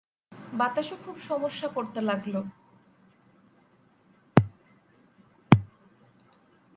বাতাসও খুব সমস্যা করতে লাগল।